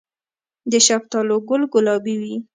د شفتالو ګل ګلابي وي؟